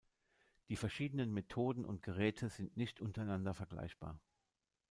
Die verschiedenen Methoden und Geräte sind nicht untereinander vergleichbar.